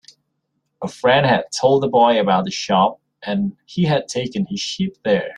A friend had told the boy about the shop, and he had taken his sheep there.